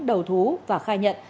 đầu thú và khai nhận